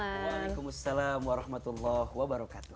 wa'alaikumussalam warahmatullahi wabarakatuh